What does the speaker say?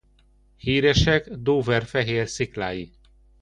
Híresek Dover fehér sziklái.